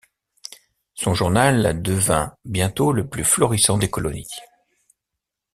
Son journal devint bientôt le plus florissant des colonies.